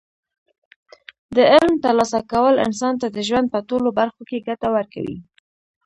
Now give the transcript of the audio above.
د علم ترلاسه کول انسان ته د ژوند په ټولو برخو کې ګټه ورکوي.